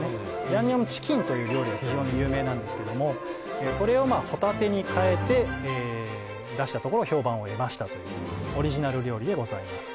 ヤンニョムチキンという料理は非常に有名なんですけどもそれをまあホタテに変えて出したところ評判を得ましたというオリジナル料理でございます